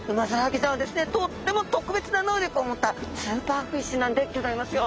とってもとくべつなのうりょくをもったスーパーフィッシュなんでギョざいますよ。